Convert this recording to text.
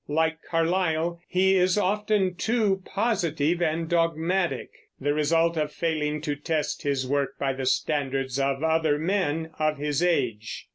Like Carlyle, he is often too positive and dogmatic, the result of failing to test his work by the standards of other men of his age.